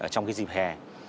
trong dịp hè